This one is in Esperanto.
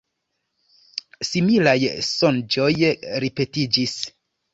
Similaj sonĝoj ripetiĝis.